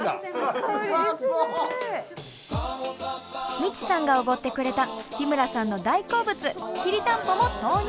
ミチさんがおごってくれた日村さんの大好物きりたんぽも投入！